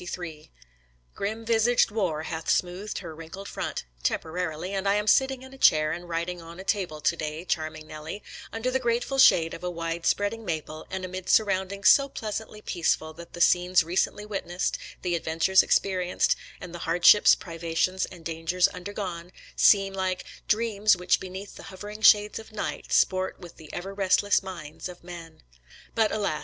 Geim viSAG^D war hath smoothed her wrinkled front " temporarily, and I am sitting in a chair and writing on a table to day, Charm ing Nellie, under the grateful shade of a wide spreading maple and amid surroundings so pleas antly peaceful that the scenes recently witnessed, the adventures experienced, and the hardships, privations, and dangers undergone, seem like " Dreams which, beneath the hovering shades of night, Sport with the ever restless minds of men." But alas!